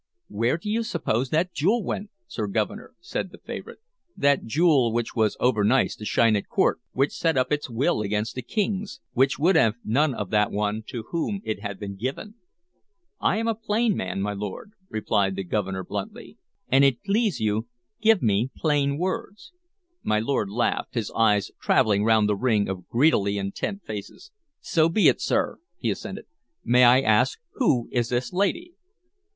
"Where do you suppose that jewel went, Sir Governor," said the favorite, "that jewel which was overnice to shine at court, which set up its will against the King's, which would have none of that one to whom it had been given?" "I am a plain man, my lord," replied the Governor bluntly. "An it please you, give me plain words." My lord laughed, his eyes traveling round the ring of greedily intent faces. "So be it, sir," he assented. "May I ask who is this lady?"